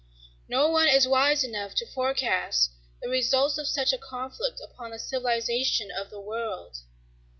No one is wise enough to forecast the results of such a conflict upon the civilization of the world.